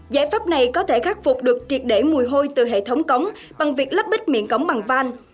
giải pháp này có thể khắc phục được triệt để mùi hôi từ hệ thống cống bằng việc lắp bích miệng cống bằng van